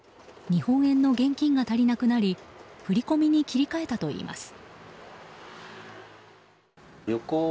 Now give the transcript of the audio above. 日本円の現金が足りなくなり振り込みに切り替えたといいます。